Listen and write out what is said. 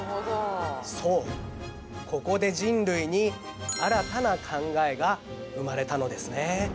そうここで人類に新たな考えが生まれたのですね